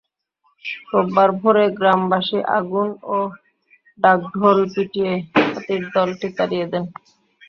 রোববার ভোরে গ্রামবাসী আগুন ও ঢাকডোল পিটিয়ে হাতির দলটি তাড়িয়ে দেন।